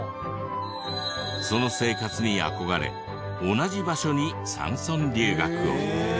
その生活に憧れ同じ場所に山村留学を。